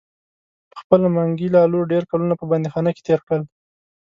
پخپله منګي لالو ډیر کلونه په بندیخانه کې تیر کړل.